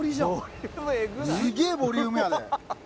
すげえボリュームやで。